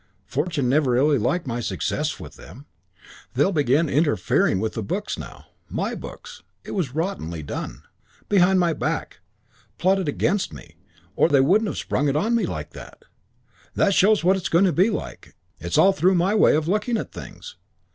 Fortune's never really liked my success with them. They'll begin interfering with the books now.... My books.... It was rottenly done. Behind my back. Plotted against me, or they wouldn't have sprung it on me like that. That shows what it's going to be like.... It's all through my way of looking at things....